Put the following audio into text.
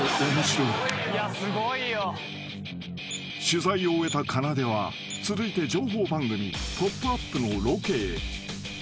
［取材を終えたかなでは続いて情報番組『ポップＵＰ！』のロケへ］